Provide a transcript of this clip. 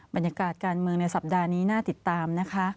บรรยากาศการเมืองในสัปดาห์นี้น่าติดตามนะคะ